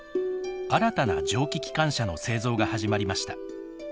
新たな蒸気機関車の製造が始まりました。